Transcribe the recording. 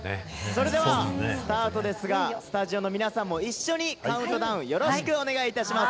それではスタートですが、スタジオの皆さんも一緒にカウントダウン、よろしくお願いいたします。